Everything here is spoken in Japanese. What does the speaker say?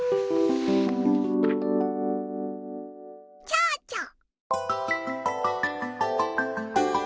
ちょうちょ。